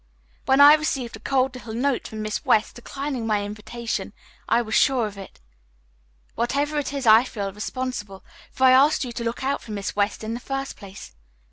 When I received a cold little note from Miss West declining my invitation, I was sure of it. Whatever it is, I feel responsible, for I asked you to look out for Miss West in the first place.